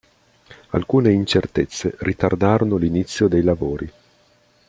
Alcune incertezze ritardarono l'inizio dei lavori.